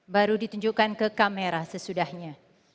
baru ditunjukkan ke kamera sesudahnya